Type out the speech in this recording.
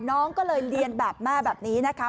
น้องก็เลยเรียนแบบแม่แบบนี้นะคะ